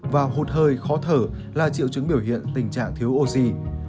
và hụt hơi khó thở là triệu chứng biểu hiện tình trạng thiếu oxy